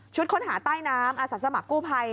ชุดคนหาใต้น้ำอาศัยสมัครกู้ภัย